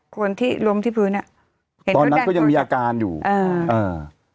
คนที่ล้มที่พื้นอ่ะตอนนั้นก็ยังมีอาการอยู่อ่าอ่า